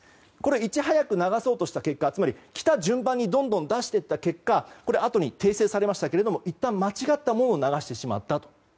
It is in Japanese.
いち早く流そうとした結果つまり来た順番にどんどん出していった結果あとに訂正されましたけどもいったん間違ったものを流してしまったと。